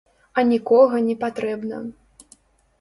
А нікога не патрэбна.